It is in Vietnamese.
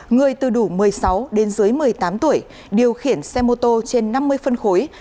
người từ đủ một mươi sáu đến dưới một mươi tám tuổi điều khiển xe mô tô trên năm mươi phân khối